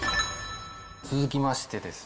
続きましてですね。